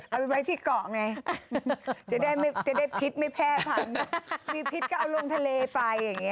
เอาให้ไปที่เกาะไงจะได้ผิดไม่แพ้ผักมีผิดก็เอาลงทะเลไปอย่างนี้